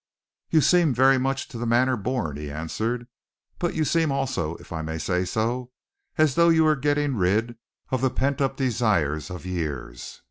"You seem very much to the manner born," he answered, "but you seem also, if I may say so, as though you were getting rid of the pent up desires of years.